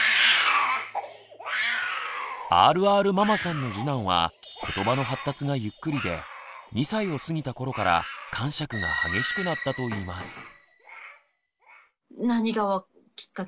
ＲＲママさんの次男はことばの発達がゆっくりで２歳を過ぎた頃からかんしゃくが激しくなったといいます。